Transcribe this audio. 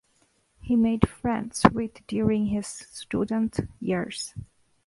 He made friends with during his student years.